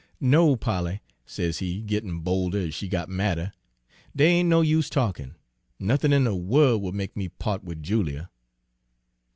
"'No, Polly,' says he, gittin' bolder ez she got madder, 'dere ain' no use talkin'. Nothin' in de worl' would make me part wid Julia.'